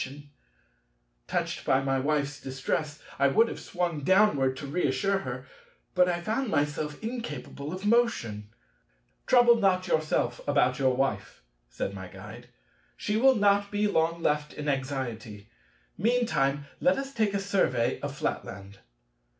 Touched by my Wife's distress, I would have sprung downward to reassure her, but I found myself incapable of motion. "Trouble not yourself about your Wife," said my Guide: "she will not be long left in anxiety; meantime, let us take a survey of Flatland."